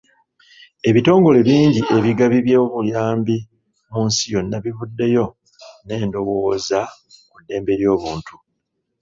Ebitongole bingi ebigabi by'obuyambi mu nsi yonna bivuddeyo n'endowooza ku ddembe ly'obuntu.